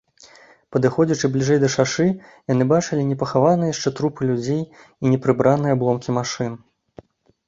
Падыходзячы бліжэй да шашы, яны бачылі непахаваныя яшчэ трупы людзей і непрыбраныя абломкі машын.